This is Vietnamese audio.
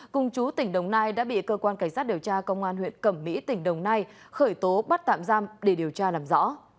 cùng chú tỉnh đồng nai đã bị cơ quan cảnh sát điều tra công an huyện cẩm mỹ tỉnh đồng nai khởi tố bắt tạm giam để điều tra làm rõ